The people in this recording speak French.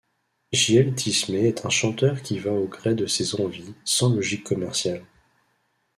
J'L'Tismé est un chanteur qui va au gré de ses envies sans logique commerciale.